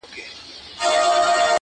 رڼا ترې باسم له څراغه ,